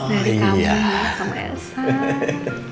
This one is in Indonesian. dari kamu sama elsa